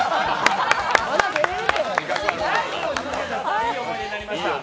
いい思い出になりました。